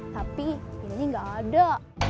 tapi ini gak ada